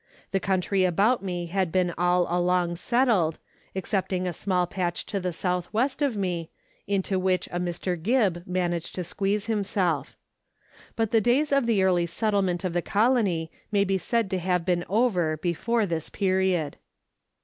The country about me had been all along settled, excepting a small 180 Letters from Victorian Pioneers. patch to the south west of me, into which a Mr. Gibb managed to squeeze himself. But the days of the early settlement of the colony may be said to have been over before this period.